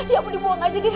ya mau dibuang aja dia